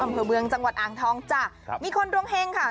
อำเภอเมืองจังหวัดอ่างทองจ้ะครับมีคนดวงเฮงค่ะ